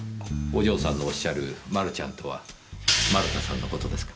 お嬢さんのおっしゃる「丸ちゃん」とは丸田さんの事ですか？